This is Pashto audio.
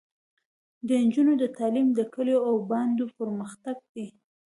د نجونو تعلیم د کلیو او بانډو پرمختګ دی.